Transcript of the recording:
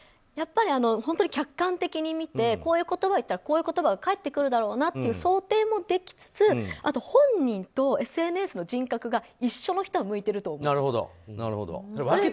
やっぱり客観的に見てこういう言葉を言ったらこういう言葉が返ってくるだろうなという想定ができつつあと、本人とＳＮＳの人格が一緒の人は向いてると思います。